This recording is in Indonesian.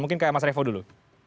mungkin ke mas revo dulu